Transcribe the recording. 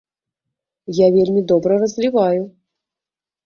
Я вельмі добра разліваю.